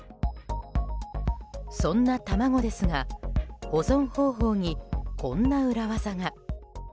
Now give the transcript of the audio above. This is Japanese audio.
そんな卵ですが保存方法に、こんな裏技が。